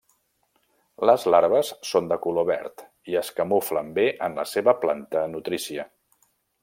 Les larves són de color verd i es camuflen bé en la seva planta nutrícia.